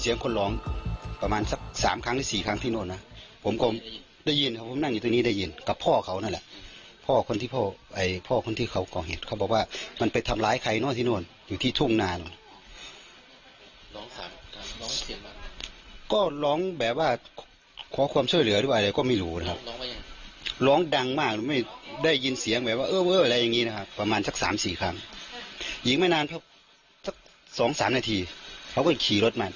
อย่างนี้นะครับประมาณสัก๓๔ครั้งหยิงไม่นานสัก๒๓นาทีเขาก็จะขี่รถมา